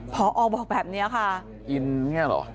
ผอบอกแบบนี้ค่ะอินแล้วเหรอครับ